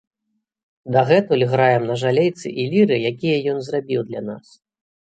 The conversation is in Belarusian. Дагэтуль граем на жалейцы і ліры, якія ён зрабіў для нас.